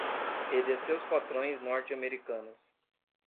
e de seus patrões norte-americanos